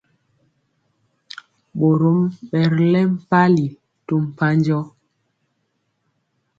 Ɓorom ɓɛ ri lɛŋ mpali to mpanjɔ.